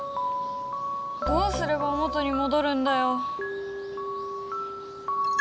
どうすれば元にもどるんだよ。